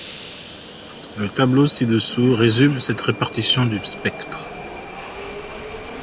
Le tableau ci-dessous résume cette répartition du spectre.